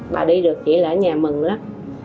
bà đi được chỉ là nhà mừng lắm